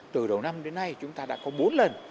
từ đầu năm đến nay chúng ta đã có bốn lần